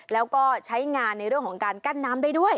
แล้วก็ใช้งานในเรื่องของการกั้นน้ำได้ด้วย